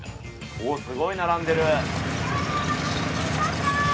おっすごい並んでる。